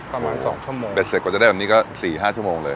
ประมาณสองชั่วโมงเบ็ดเสร็จกว่าจะได้แบบนี้ก็สี่ห้าชั่วโมงเลย